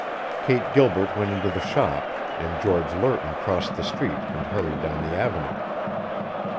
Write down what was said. Kate Gilbert went into the shop, and George Lerton crossed the street and hurried down the Avenue.